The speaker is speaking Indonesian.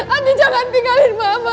adik jangan tinggalin mama